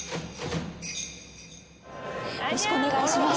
よろしくお願いします。